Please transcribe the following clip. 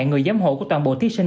người giám hộ của toàn bộ thí sinh